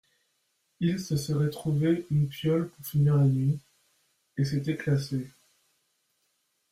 Ils se seraient trouvé une piaule pour finir la nuit, et c’était classé.